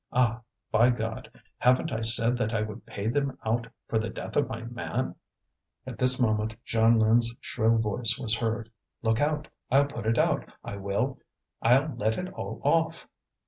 Ah, by God! haven't I said that I would pay them out for the death of my man!" At this moment Jeanlin's shrill voice was heard: "Look out! I'll put it out, I will! I'll let it all off!"